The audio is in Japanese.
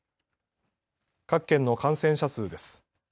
各県の感染者数です。